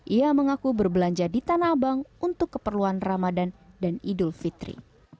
ia mengaku berbelanja di tanah abang untuk keperluan ramadan dan idul fitri